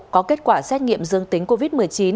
có kết quả xét nghiệm dương tính covid một mươi chín